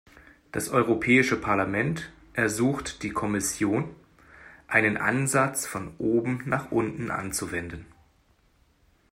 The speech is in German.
Das Europäische Parlament ersucht die Kommission, einen Ansatz von oben nach unten anzuwenden.